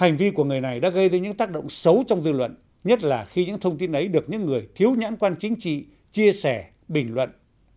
hành vi của người này đã gây ra những tác động xấu trong dư luận nhất là khi những thông tin ấy được những người thiếu nhãn quan chính trị chia sẻ bình luận